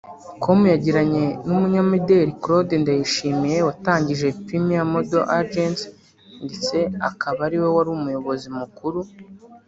com yagiranye n'umunyamideri Claude Ndayishimiye watangije Premier Model Agency ndetse akaba ariwe wari umuyobozi mukuru